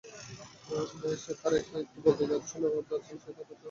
সে তার এক ক্লায়েন্টকে বলতে যাচ্ছিলো সে তাদের জন্য মারামারি করতেও প্রস্তুত।